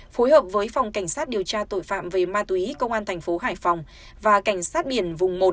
phối hợp với phòng cảnh sát điều tra tội phạm về ma túy công an thành phố hải phòng và cảnh sát biển vùng một